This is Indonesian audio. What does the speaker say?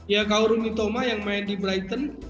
ya kaoru mitoma yang main di brighton